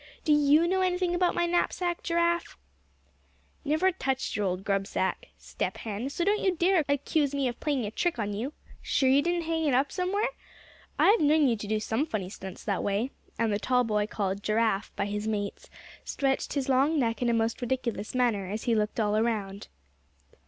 Do you know anything about my knapsack, Giraffe?" "Never touched your old grub sack, Step Hen; so don't you dare accuse me of playing a trick on you. Sure you didn't hang it up somewhere; I've known you to do some funny stunts that way;" and the tall boy called "Giraffe" by his mates, stretched his long neck in a most ridiculous manner, as he looked all around.